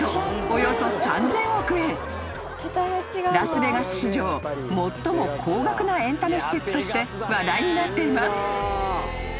［ラスベガス史上最も高額なエンタメ施設として話題になっています］